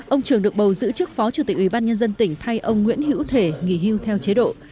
ông trường được bầu giữ chức phó chủ tịch ubnd tỉnh thay ông nguyễn hữu thể nghỉ hưu theo chế độ